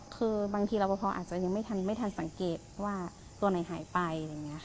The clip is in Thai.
คือบางทีเราก็พออาจจะยังไม่ทันสังเกตว่าตัวไหนหายไป